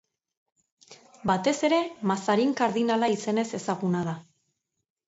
Batez ere Mazarin kardinala izenez ezaguna da.